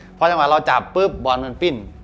พอจังหวะเราจับปุ๊บบอลมันปิ้น